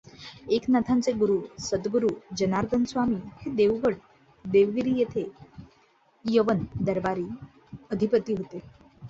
एकनाथांचे गुरू सद्गुरू जनार्दनस्वामी हे देवगड देवगिरी येथे यवन दरबारी अधिपती होते.